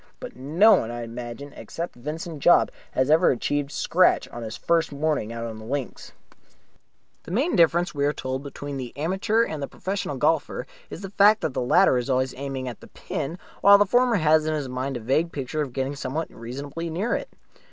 But no one, I imagine, except Vincent Jopp, has ever achieved scratch on his first morning on the links. The main difference, we are told, between the amateur and the professional golfer is the fact that the latter is always aiming at the pin, while the former has in his mind a vague picture of getting somewhere reasonably near it.